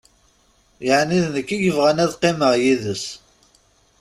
Yeɛni d nekk i yebɣan ad qqimeɣ yid-s.